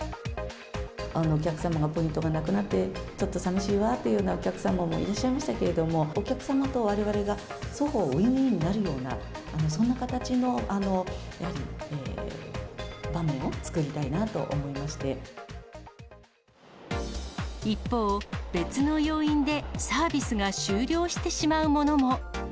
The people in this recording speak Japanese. お客様がポイントがなくなってちょっとさみしいわっていうようなお客様もいらっしゃいましたけれども、お客様とわれわれが双方ウィンウィンになるような、そんな形の場一方、別の要因でサービスが終了してしまうものも。